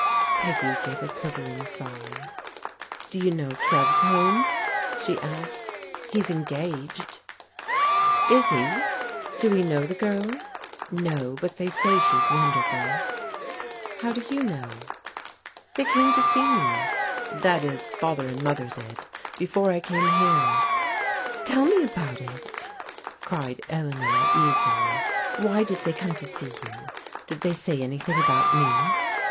Peggy gave a quivering sigh. *' Do you know Trev's home ?" she asked. " He's engaged." " Is he ? Do we know the girl ?"" No ; but they say she's wonderful." " How do you know ?" "They came to see me — ^that is, Father and Mother did, before I came here." "Tell me about it!" cried Eleanor eagerly. "Why did they come to see you ? Did they say anything about me?"